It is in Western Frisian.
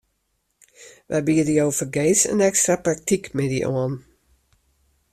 Wy biede jo fergees in ekstra praktykmiddei oan.